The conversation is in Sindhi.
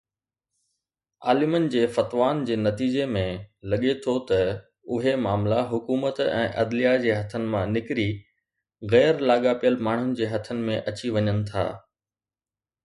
عالمن جي فتوائن جي نتيجي ۾ لڳي ٿو ته اهي معاملا حڪومت ۽ عدليه جي هٿن مان نڪري غير لاڳاپيل ماڻهن جي هٿن ۾ اچي وڃن ٿا.